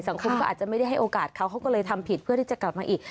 สังคมก็อาจจะไม่ได้ให้โอกาสเขาเขาก็เลยทำผิดเพื่อที่จะกลับมาอีก